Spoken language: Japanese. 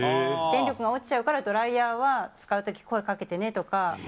電力が落ちちゃうから、ドライヤーは使うとき、声かけてねとか。